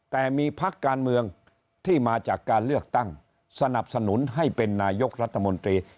แต่มีพักการเมืองที่มาจากการเลือกตั้งสนับสนุนให้เป็นนายกรัฐมนตรี